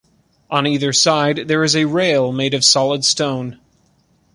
On either side, there is a rail made of solid stone.